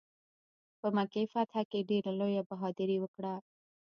په مکې فتح کې ډېره لویه بهادري وکړه.